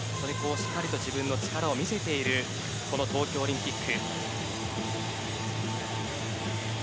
しっかりと自分の力を見せている東京オリンピック。